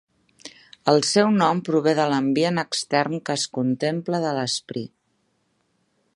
El seu nom prové de l'ambient extern que es contempla de l'Spree.